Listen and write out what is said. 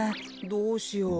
どうしよう。